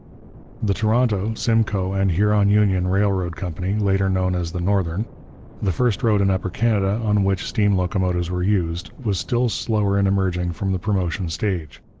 The Toronto, Simcoe and Huron Union Railroad Company later known as the Northern the first road in Upper Canada on which steam locomotives were used, was still slower in emerging from the promotion stage.